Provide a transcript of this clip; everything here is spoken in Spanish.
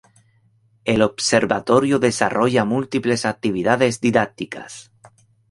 El observatorio desarrolla múltiples actividades didácticas.